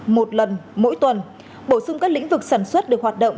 một lần mỗi tuần bổ sung các lĩnh vực sản xuất được hoạt động